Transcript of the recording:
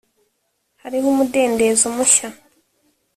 hariho umudendezo mushya